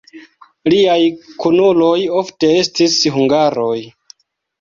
Liaj kunuloj ofte estis hungaroj.